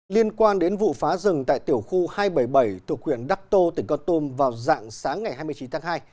liên quan đến vụ phá rừng tại tiểu khu hai trăm bảy mươi bảy thuộc huyện đắc tô tỉnh con tum vào dạng sáng ngày hai mươi chín tháng hai